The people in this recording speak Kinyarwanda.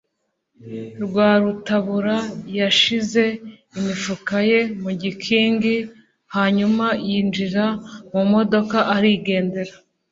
Rwarutabura yashyize imifuka ye mu gikingi, hanyuma yinjira mu modoka arigendera.